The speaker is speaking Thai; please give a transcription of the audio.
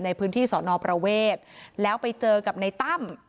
ในพื้นที่สอนอประเวทแล้วไปเจอกับในตั้ม